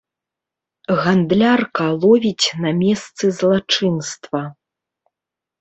Гандлярка ловіць на месцы злачынства.